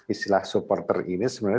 istilah supporter ini sebenarnya